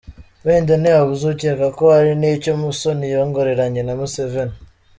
Wenda ntihabuze ukeka ko hari n’icyo Musoni yongoreranye na Museveni.